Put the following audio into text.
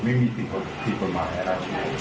ไม่มีสิ่งที่กฎหมายอะไร